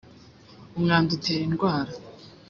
umwanda utera indwara.